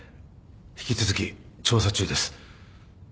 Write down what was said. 引き続き調査中です。